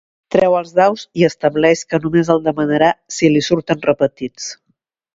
Treu els daus i estableix que només el demanarà si li surten repetits.